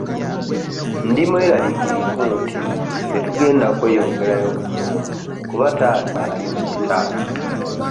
Ndi mweraliikirivu nti tetugenda kweyongerayo kusoma kuba taata ali ku kitanda.